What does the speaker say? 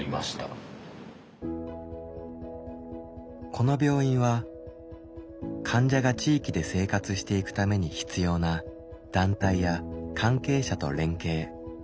この病院は患者が地域で生活していくために必要な団体や関係者と連携。